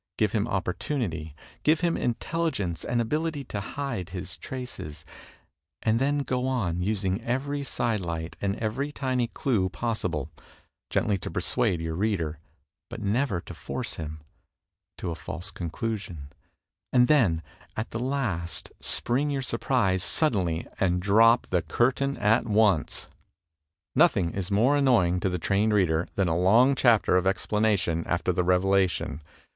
Give him opportunity. Give him intelligence and ability to hide his traces; and then go on, using every sidelight and every tiny clue pos sible, gently to persuade your reader, but never to force him, to a false conclusion; and then at the last spring your surprise suddenly and drop the curtain at once. 302 THE TECHNIQUE OF THE MYSTERY STORY Nothing is more annoying to the trained reader than a long chapter of explanation after the revelation.